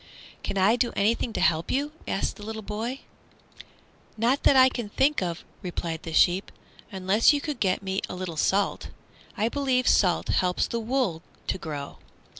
"Can I do anything to help you?" asked the little boy. "Not that I think of," replied the sheep, "unless you could get me a little salt. I believe salt helps the wool to grow."